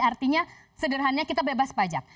artinya sederhananya kita bebas pajak